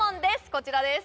こちらです